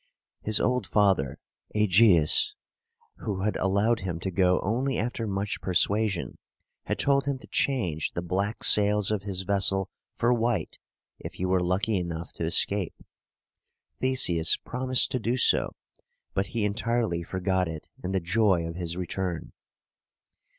His old father, Ægeus, who had allowed him to go only after much persuasion, had told him to change the black sails of his vessel for white if he were lucky enough to escape. Theseus promised to do so, but he entirely forgot it in the joy of his return.